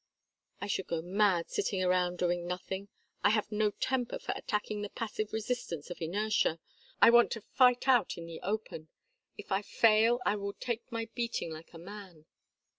I should go mad sitting round doing nothing. I have no temper for attacking the passive resistance of inertia. I want to fight out in the open. If I fail I will take my beating like a man.